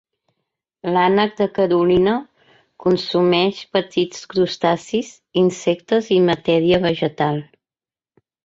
L"ànec de Carolina consumeix petits crustacis, insectes i matèria vegetal.